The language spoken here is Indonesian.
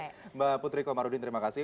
mbak putri komarudin terima kasih